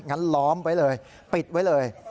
งั้นล้อมไว้เลยปิดไว้เลย